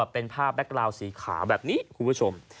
เป็นภาพแบ็คลาวสีขาวแบบนี้คุณผู้ชม